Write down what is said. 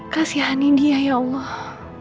kasihani dia ya allah